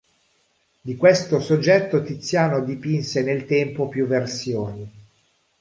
Di questo soggetto Tiziano dipinse nel tempo più versioni.